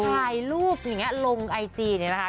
ถ่ายรูปอย่างนี้ลงไอจีเนี่ยนะคะ